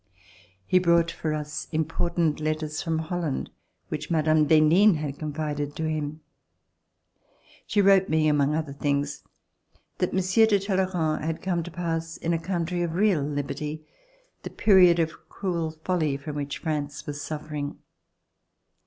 He brought for us im portant letters from Holland which Mme. d'Henin had confided to him. She wrote me, among other things, that Monsieur de Talleyrand had come to pass, in a country of real liberty, the period of cruel folly from which France was suffering.